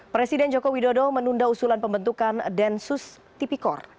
presiden joko widodo menunda usulan pembentukan densus tipikor